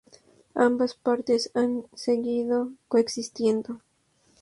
Ambas partes han seguido coexistiendo.